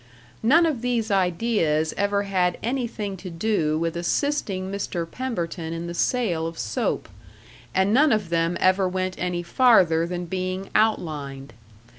None of these ideas ever had anything to do with assisting Mr. Pemberton in the sale of soap, and none of them ever went any farther than being outlined.